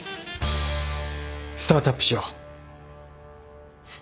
スタートアップしよう。